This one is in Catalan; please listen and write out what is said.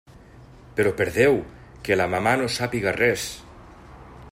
Però, per Déu!, que la mamà no sàpia res.